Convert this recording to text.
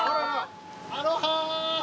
アロハ。